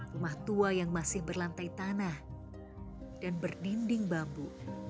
rumah tua yang masih berlantai tanah dan berdinding bambu